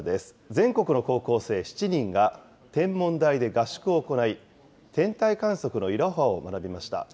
全国の高校生７人が、天文台で合宿を行い、天体観測のいろはを学びました。